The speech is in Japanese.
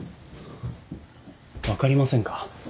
分かりませんか？